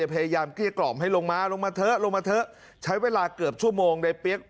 เกลี้ยกล่อมให้ลงมาลงมาเถอะลงมาเถอะใช้เวลาเกือบชั่วโมงในเปี๊ยก